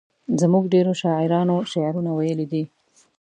زموږ ډیرو شاعرانو شعرونه ویلي دي.